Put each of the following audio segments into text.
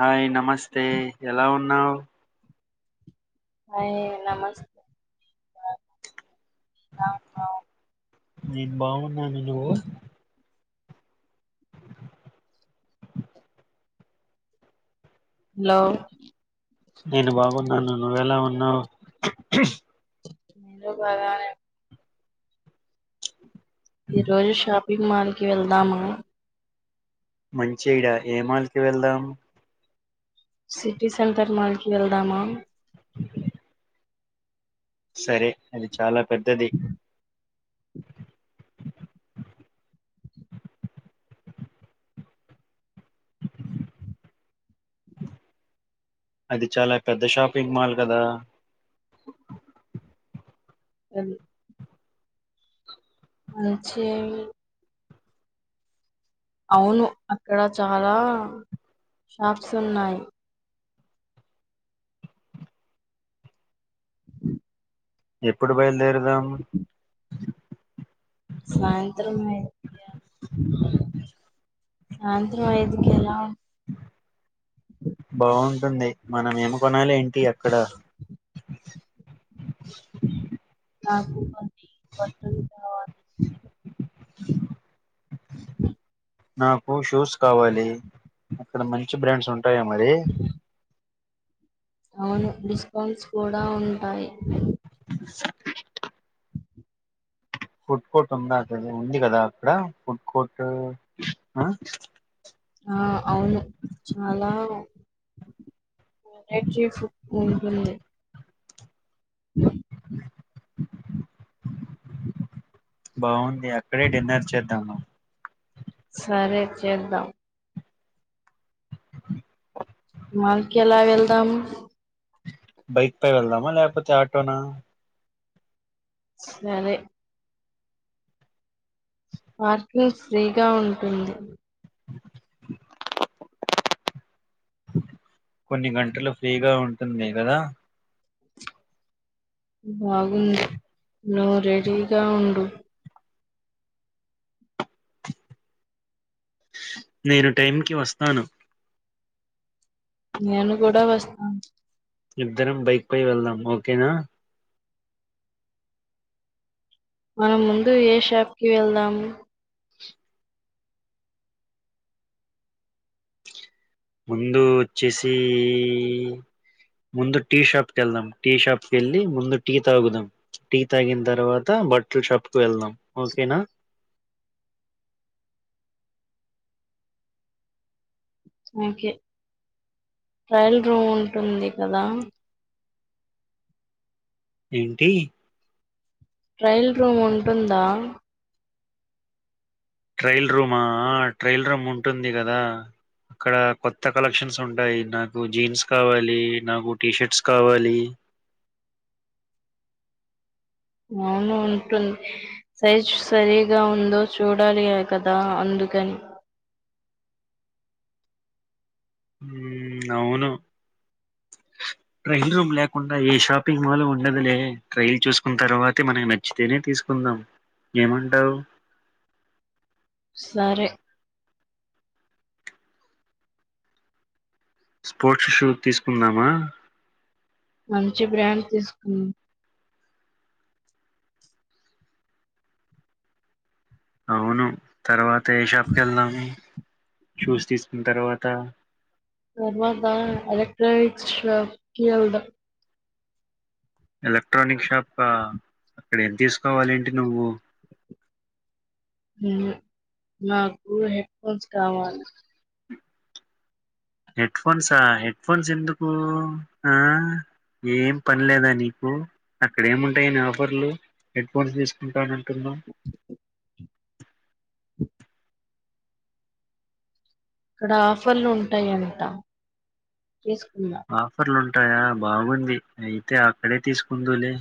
hi నమస్తే ఎలా ఉన్నావు హాయ్ నమస్తే ఉన్నావ్ నేను బాగున్నాను నువ్వు హలో నేను బాగున్నాను నువ్వెలా ఉన్నావు నేను బాగానే ఈరోజు షా మాల్ కీ వెళ్దామా మంచి ఇడ ఏ మాల్ కి వెళ్ళవు సిటీ సెంటర్ మాల్ కీ వెళ్దామా సరే అది చాలా పెద్దది అది చాలా పెద్ద షాపింగ్ మాల్ కదా అవు వచ్చే అవును అక్కడ చాలా షాప్స్ ఉన్నాయి ఎప్పుడు బయలుదేరు దాం సాయ్ యంత్రం సాయంత్రం ఐదు కీ అలా బావుంటుంది మనం ఏమి కొనాలి ఏంటి అక్కడ నాకు ఒక వెయ్యి బట్టలు కావాలి బ నాకు షూస్ కావాలి అక్కడ మంచి బ్రాండ్స్ ఉంట టాయా మరి అవును డిస్కౌంట్స్ కూడా ఉంటాయి స ఫుడ్ కోర్టు ఉందా అది ఉంది కదా అక్కడ ఫుడ్ కోర్టు ఆ అవును చాలా వెరైటీ ఫుడ్ ఉంటుంది బావున్ ఎక్కడే డిన్నర్ చేద్దాం సరే చేద్దాం ఉహు మళ్కి ఎలా వెళ్దాం బైక్ పై వెళ్దామా లేకపోతే ఆటోనా సరె పార్కింగ్ ఫ్రీగా ఉంటుంది కొన్ని గంటలు ఫ్రీగా ఉంటుంది కదా బాగుంది నువ్వు రెడీగా ఉండు నేను టైంకిి వస్తాను నేను కూడా వస్తాను ఇద్దరం బైక్ పై వెళ్దాం ఓకేనా మనం ముందు ఏ షాప్కి వెళ్దాం ముందు వచ్చేసి ముందు టీ షాప్ కి వెళ్దాం టీ షాప్ కి వెళ్ళి ముందు టీ తాగుదాం టీ తాగిన తర్వాత బట్టలు షాప్ కు వెళ్దాం ఓకేనా ఓకే ట్రయల్ రూమ్ ఉంటుంది కదా ఏంటి ట్రైల్ రూమ్ ఉంటుందా ట్రైల్ రూమా ఆ ట్రైల్ రూమ్ ఉంటుంది కదా అక్కడ కొత్త కలెక్షన్స్ ఉంటాయి నాకు జీన్స్ కావాలి నాకు టీషర్ట్స్ కావాలి అవును ఉంటుంది సైజు సరిగా ఉందో చూడాలి కదా అందుకని అవును ట్రైల్ రూమ్ లేకుండా ఏ షాపింగ్ మాల్ ఉండదులే ట్రైల్ చూసుకున్న తర్వాతే మనకు నచ్చితేనే తీసుకుందాం ఏమంటావు సరే స్పోర్ట్స్ షూ తీసుకుందామా మంచి బ్రాండ్ తీసుకున్నా అవును తర్వాత ఏ షాప్కి వెళ్దాము షూస్ తీసుకున్న తర్వాత త తర్వాతా అదా ప్రవష్ కిలద ఎలక్ట్రోనిక్షప్ ఆ ఇక్కడ ఏం తీసుకోవాల ఏంటి నువ్వు నాకు హెడ్ ఫోన్స్ కావాలి హెడ్ ఫోన్సా హెడ్ ఫోన్స్ ఎందుకు ఏం పని లేదా నీకు అక్కడ ఏముంటాయని ఆఫర్లు హెడ్ ఫోన్స్ తీసుకుంటాన అంటున్నాం ఇక్కడ ఆఫర్లు ఉంటాయంట చేసుకున్నాం అంటాయా బాగుంది అయితే అక్కడే తీసుకుందులే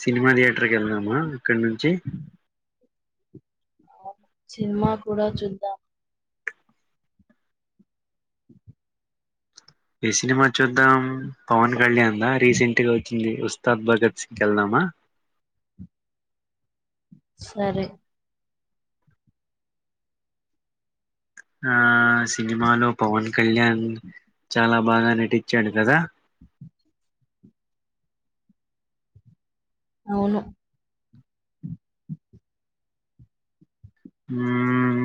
సినిమా తథయేటర్కి వెళ్నామా అక్కడ నుంచి సినిమా కూడా చూద్దాం ఏ సినిమా చూద్దాం పవన్ ళ అందా రీసెంట్గా వచ్చి ఉస్తాద్ భగత్ సింగ్ వెళ్దామా సరే ఆ సినిమాలో పోన్ కళ్యాణ్ చాలా బాగా నటిచ్చాడు కదా అవును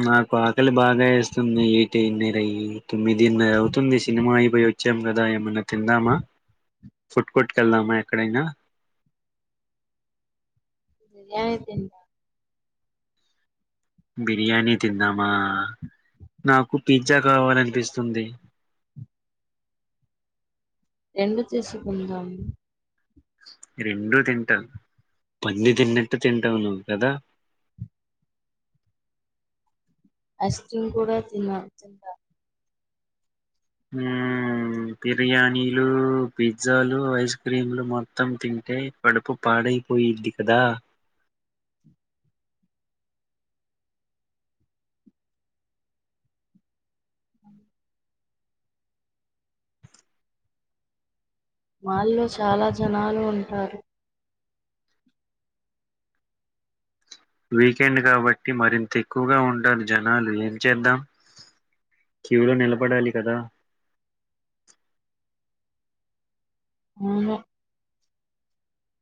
నాకు ఆకలి బాగా వేస్తుంది ఏటిన్నరయి తొమ్మిదిన్న అవుతుంది సినిమా అయిపోయి వచ్చాం కదా ఏమన్నా తిందామా కొుట్ కొట్టుకెళ్దామా ఎక్కడైనా నేనేమి తిన్ల బిర్యానీ తిందామా నాకు పిజ్జా కావాలనిపిస్తుంది ఎం తీసుకుందాం రెండు తింటావు పన్న తిన్నట్టు తింటావు నువ్వు కదా ఐస్క్రీమ్ కూడా తిన్నా తిన్నా బిర్యానీలు పిజ్జాలు ఐస్ క్రీంలు మొత్తం తింటే కడుపు పాడైపోయింది కదా మాల్లో చాలా జనాలు ఉంటారు వీకెండ్ కాబట్టి మరింత ఎక్కువగా ఉంటారు జనాలు ఏం చేద్దాం క్యూలో నిలబడాలి కదా అవును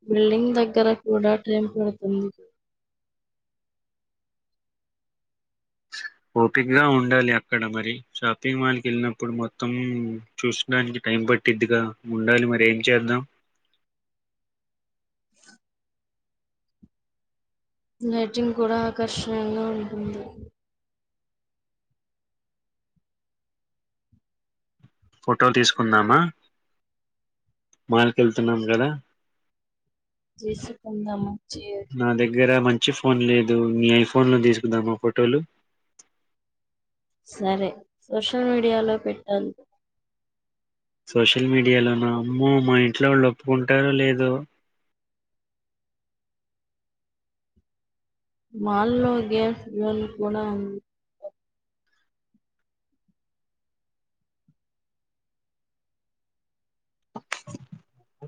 బిల్డింగ్ దగ్గర కూడా టైం పడుతుంది ఓపిక గా ఉండాలి అక్కడ మరి షాపింగ్ మాల్కి వెళ్ళినప్పుడు మొత్తం చూసడానికి టైం పట్టిదిగా ఉండాలి మరి ఏం చేద్దాం లైటింగ్ కూడా ఆకర్షణీయంగా ఉంటుంది ఫోటో తీసుకుందామా మాలకెళ్తున్నాం కదా జేసుకుందాం మంచిగా దగ్గరా మంచి ఫోన్ లేదు మీ ఐఫోన్ లో తీసుకుదామా ఫోటోలు సరే సోషల్ మీడియాలో పెట్టంను సోషల్ మీడియాలోన అమ్మో మా ఇంట్లో వాళ్ళు ఒప్పుకుంటారో లేదో మాల్లో గ్యాస్ జూలు కూడా ఉంది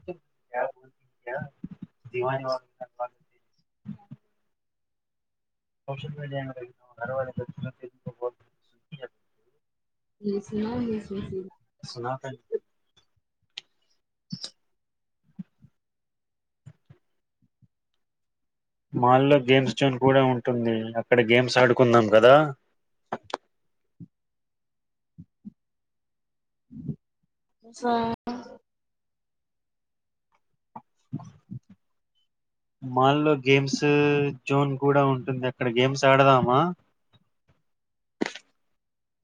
[inaudible] సోషల్ మీడియాంగనికి [inaudible] సనా అంతే మాల్లో గేమ్స్ చన్ కూడా ఉంటుంది అక్కడ గేమ్స్ ఆడుకున్నాం కదా స మానలో గేమ్స్ జోన్ కూడా ఉంటుంది అక్కడ గేమ్స్ ఆడదామా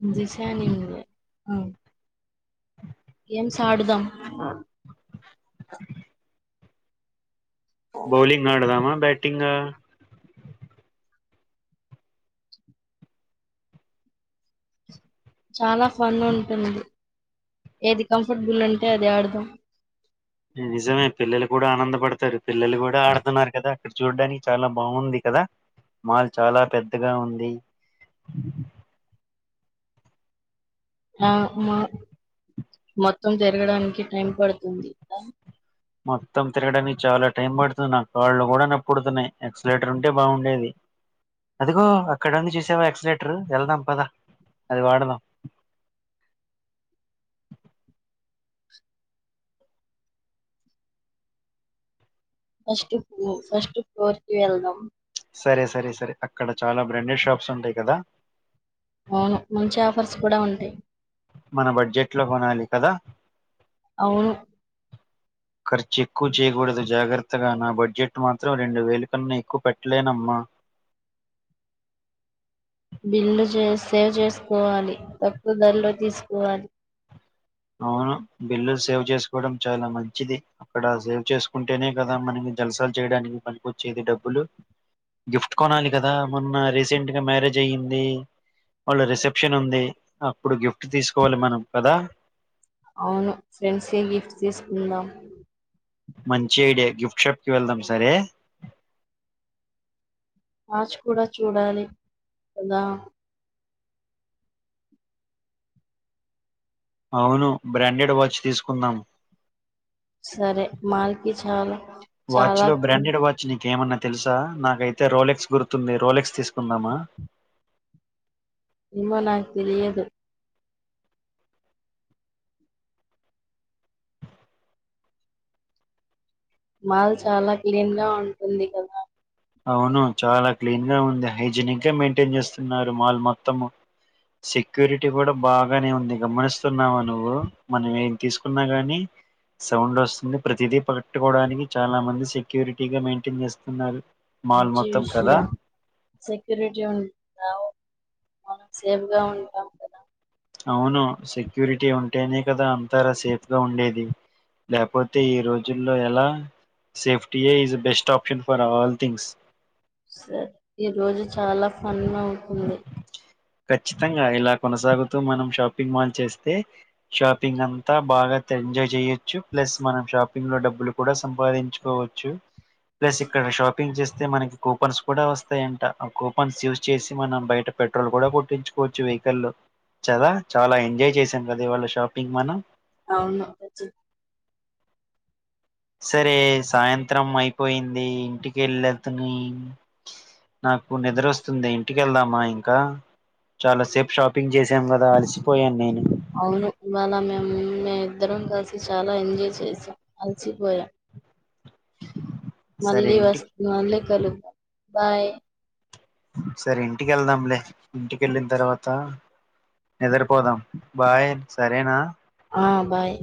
[unintelligible] అవు గేమ్స్ ఆడుదాం బౌలింగ్ ఆడదామా బ్యాట్ పెటింగా చాలా ఫన్ ఉంటుంది ఏది కంఫర్టబుల్ అంటే అది ఆడదాం నిజమే పిల్లలు కూడా ఆనంద పడతారు పిల్లలు కూడా ఆడుతున్నారు కదా అక్కడ చూడ్డానికి చాలా బాగుంది కదా మాల్ చాలా పెద్దగా ఉంది ఆ మా మొత్తం జరగడానికి టైం పడుతుంది మొత్తం తిరగడానికి చాలా టైం పడుతుంది నా కాళ్ు కూడా నప్పుడుతున్నాయి ఎక్సలేటర్ ఉంటే బాగుండేది అదిగో అక్కడ ఉంది చూసావా ఎక్సలేటరు ఎళ్దాంపదా అది వాడదా ఫస్ట్ ఫో ఫస్ట్ ఫోర్ కే ఎళ్దాం సరే సరే సరే అక్కడ చాలా బ్రాండెడ్ షాప్స్ ఉంటాయి కదా అవును మంచి ఆఫర్స్ కూడా ఉంటాయి మన బడ్జెట్ లో కొనాలి కదా అవును ఖర్చు ఎక్కువ చేయకూడదు జాగ్రత్తగా నా బడ్జెట్ మాత్రం రెండు వేలు కన్నా ఎక్కువ పెట్టలేనమ్మా బిల్లు సేవ్ చేసుకోవాలి తప్పుకు దర్లో తీసు ఓ అది అవును బిల్లు సేవ్ చేసుకోవడం చాలా మంచిది అక్కడ సేవ్ చేసుకుంటేనే కదా మనకి జల్సాలు చేయడానికి పనికొచ్చేది డబ్బులు గిఫ్ట్ కొనాలి కదా మొన్న రీసెంట్ గా మ్యారేజ్ అయ్యింది వాళ్ళ రిసెప్షన్ ఉంది అప్పుడు గిఫ్ట్ తీసుకోవాలి మనం కదా అవును ఫ్రెండ్స్ క గిఫ్ట్ తీసుకుందాం మంచి ఐడియా గిఫ్ట్ షాప్కిి వెళ్దాం సరే మ్యాచ్ కూడా చూడాలి కదా అవును బ్రాండెడ్ వాచ్ తీసుకుందాం సరే మాల్ కి చాలా చాలా నాకేమన్నా తెలుసా నాకైతే రోలెక్స్ గుర్తుంది రోలెక్స్ తీసుకుందామా ఏమో నాక్ తెలియదు మాల్ చాలా క్లీన్ గా ఉంటుంది కదా అవును చాలా క్లీన్ గా ఉంది హైజనిక్ గా మెయింటైన్ చేస్తున్నారు మాల్ మొత్తము సెక్యూరిటీ కూడా బాగానే ఉంది గమనిస్తున్నావు నువ్వు మనం ఏం తీసుకున్నా ని సౌండ్ వస్తుంది ప్రతిదీ పకట్టుకోవడానికి చాలా మంది సెక్యూరిటీగా మెయింటైన్ చేస్తున్నారు మాల్ మంచి మొత్తం కదా విషయం సెక్యూరిటీ ఉంది రావొద్దు మనం సేఫ్గా ఉంటాం కదా అవును సెక్యూరిటీ ఉంటేనే కదా అంతార సేఫ్గా ఉండేది లేకపోతే ఈ రోజుల్లో ఎలా సేఫ్టీయే బెస్ట్ ఆప్షన్ ఫర్ ఆల్ థటింగ్స్ సరే ఈ రోజు చాలా ఫన్ అవుతుంది ఖచ్చితంగా ఇలా కొనసాగు మనం షాపింగ్ మాల్ చేస్తే షాపింగ్ అంతా బాగా ఎంజాయ్ చేయొచ్చు ప్లస్ మనం షాపింగ్ లో డబ్బులు కూడా సంపాదించుకోవచ్చు ప్లస్ ఇక్కడ షాపింగ్ చేస్త తే మనకి కూపన్స్ కూడా వస్తాయంట ఆ కూపన్స్ యూజ్ చేసి మనం బయట పెట్రోల్ కూడా కొట్టించుకోవచ్చు వెహికల్ చదా చాలా ఎంజాయ్ చేసాం కదా వాళ్ళ షాపింగ్ మనం అవును సరే సాయంత్ర చిత్రం అయిపోయింది ఇంటికి వెళ్ళతుని నాకు నిద్రొస్తుంది ఇంటికి వెళ్దామా ఇంకా చాలాసేపు షాపింగ్ చేసాం కదా అలసిపోయాను నేను అవును ఇవాళ మేము మే ఇద్దరం కలిసి చాలా ఎంజాయ్ చేసాం అలసిపోయాం సరే మళ్ళీ ఇంటికి వస్తు మళ్లీ చ బాయ్ సరే ఇంటికి వెళ్దాంలే ఇంటికెళ్ళిన తర్వాత నిద్రపోదాం బాయ్ సరేనా ఆ బాయ్